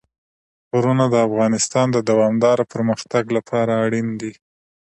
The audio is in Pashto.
غرونه د افغانستان د دوامداره پرمختګ لپاره اړین دي.